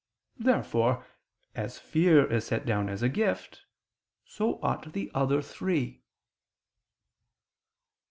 Therefore, as fear is set down as a gift, so ought the other three.